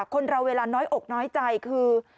คนเราเวลาน้อยอกน้อยใจคือ